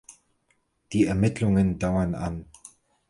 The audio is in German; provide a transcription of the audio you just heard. Die Ermittlungen dauern an.